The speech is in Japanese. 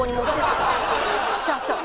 社長！